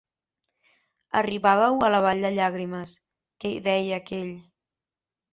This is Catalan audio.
Arribàveu a la vall de llàgrimes, que deia aquell.